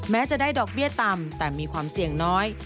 แม้จะได้ดอกเบี้ยต่ำแต่มีความเสี่ยงน้อย